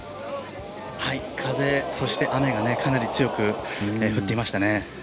風、そして雨がかなり強く降っていましたね。